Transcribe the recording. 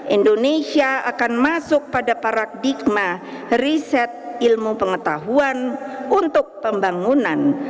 indonesia akan masuk pada paradigma riset ilmu pengetahuan untuk pembangunan